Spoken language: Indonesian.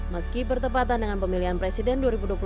meski bertepatan dengan pemilihan presiden dua ribu dua puluh empat